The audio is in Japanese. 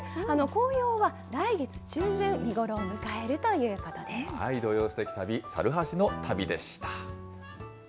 紅葉は来月中旬、見頃を迎えると土曜すてき旅、猿橋の旅でした。